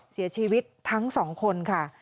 เสียชีวิตทั้งสองคนค่ะ